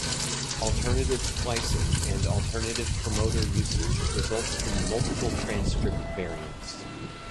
Alternative splicing and alternative promoter usage results in multiple transcript variants.